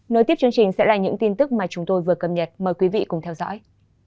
nối tiếp chương trình sẽ là những tin tức mà chúng tôi vừa cập nhật mời quý vị cùng theo dõi